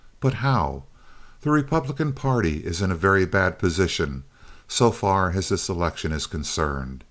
But how? The Republican party is in a very bad position, so far as this election is concerned.